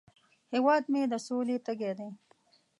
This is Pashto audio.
هیواد مې د سولې تږی دی